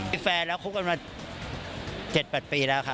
มีแฟนแล้วคบกันมา๗๘ปีแล้วครับ